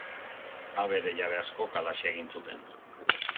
Abere jabe askok halaxe egin zuten.